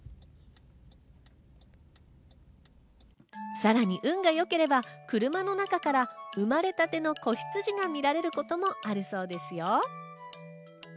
さらに運が良ければ、車の中から生まれたての子ヒツジが見られることもあるそうですよ。